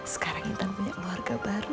sekarang intan punya keluarga baru